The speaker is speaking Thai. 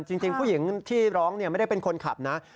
จริงผู้หญิงที่ร้องไม่ได้เป็นคนขับนะ